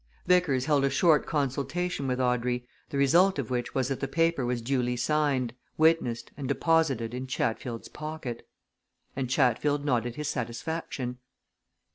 Vickers held a short consultation with Audrey, the result of which was that the paper was duly signed, Witnessed, and deposited in Chatfield's pocket. And Chatfield nodded his satisfaction.